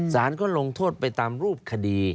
สารก็ลงโทษไปตามรูปคดี